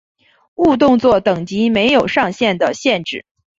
误动作等级没有上限的限制。